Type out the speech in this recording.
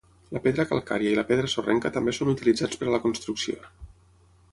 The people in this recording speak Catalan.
La pedra calcària i la pedra sorrenca també són utilitzats per a la construcció.